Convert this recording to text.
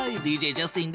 ジャスティン。